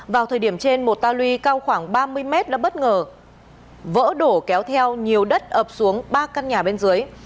vào thời điểm trên một ta lui cao khoảng ba mươi mét đã bất ngờ vỡ đổ kéo theo nhiều đất ập xuống ba căn nhà bên dưới